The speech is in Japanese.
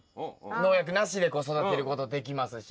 農薬なしでこう育てることできますしね。